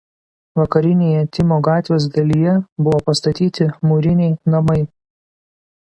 Vakarinėje Tymo gatvės dalyje buvo pastatyti mūriniai namai.